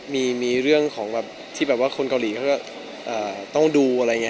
มีเรื่องที่คนเกาหลีก็ต้องดู